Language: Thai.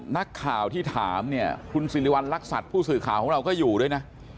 นักข่าวที่ถามเนี่ยคุณสิริวัณรักษัตริย์ผู้สื่อข่าวของเราก็อยู่ด้วยนะ